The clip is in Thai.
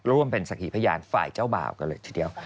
ร่วมเป็นสักหีพยานฝ่ายเจ้าบ่าวกันเลยทีเดียว